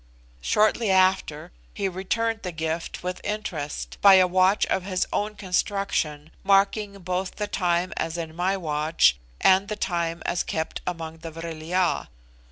Shortly after, he returned the gift with interest, by a watch of his own construction, marking both the time as in my watch and the time as kept among the Vril ya.